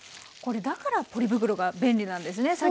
これだからポリ袋が便利なんですね。